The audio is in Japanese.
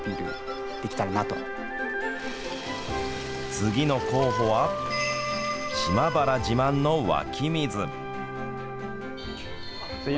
次の候補は島原自慢の湧き水。